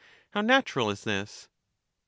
How natural is this !